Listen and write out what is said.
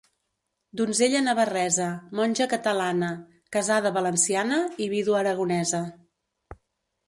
Donzella navarresa, monja catalana, casada valenciana i vídua aragonesa.